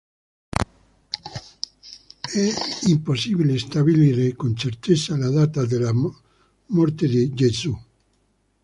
È impossibile stabilire con certezza la data della morte di Gesù.